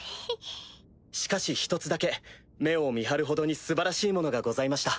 しかし一つだけ目を見張るほどに素晴らしいものがございました。